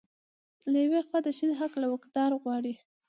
له يوې خوا د ښځې حق له واکدار غواړي